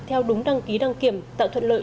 theo đúng đăng ký đăng kiểm tạo thuận lợi